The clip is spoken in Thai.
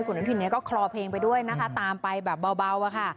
คุณอนธินก็คลอเพลงไปด้วยนะคะตามไปแบบเบาค่ะ